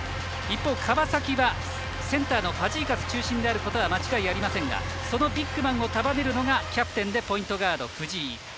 一方、川崎はセンターのファジーカス中心であることは間違いありませんがそのビッグマンを束ねるのがキャプテンでポイントガードの藤井。